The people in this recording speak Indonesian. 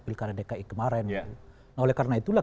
pilihan dki kemarin oleh karena itulah